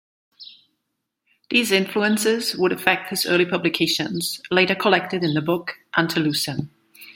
These influences would affect his early publications, later collected in the book "Ante Lucem".